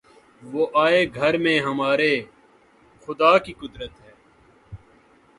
وہ آئے گھر میں ہمارے‘ خدا کی قدرت ہے!